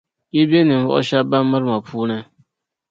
Yi be ninvuɣu shεba ban miri ma puuni.